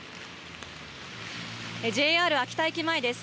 ＪＲ秋田駅前です。